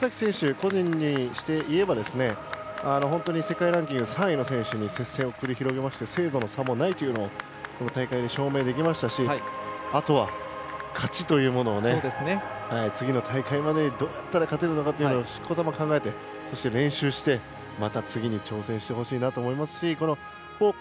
個人でいえば本当に世界ランキング３位の選手に接戦を繰り広げましたし精度の差もないというのをこの大会で証明できましたしあとは、勝ちというものを次の大会までにどうやったら勝てるのかということを考えて、練習してまた次に挑戦してほしいなと思いますしＢＣ